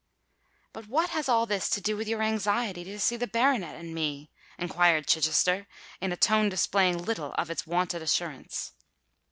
"But what has all this to do with your anxiety to see the baronet and me?" inquired Chichester, in a tone displaying little of its wonted assurance.